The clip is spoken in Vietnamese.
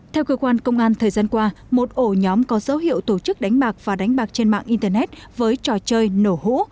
theo cơ quan công an thời gian qua một ổ nhóm có dấu hiệu tổ chức đánh bạc và đánh bạc trên mạng internet với trò chơi nổ hũ